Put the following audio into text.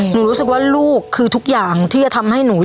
รู้สึกว่าลูกคือทุกอย่างที่จะทำให้หนู